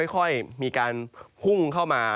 ค่อยมีการพุ่งเข้ามา